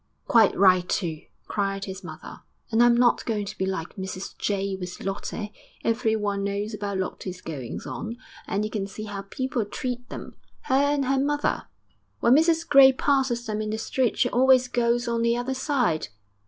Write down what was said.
'Quite right too!' cried his mother. 'And I'm not going to be like Mrs Jay with Lottie. Everyone knows about Lottie's goings on, and you can see how people treat them her and her mother. When Mrs Gray passes them in the street she always goes on the other side.